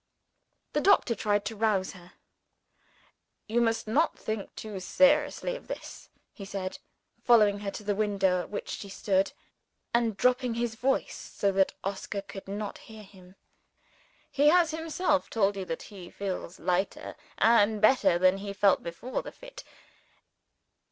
The doctor tried to rouse her. "You must not think too seriously of this," he said, following her to the window at which she stood, and dropping his voice so that Oscar could not hear him. "He has himself told you that he feels lighter and better than he felt before the fit.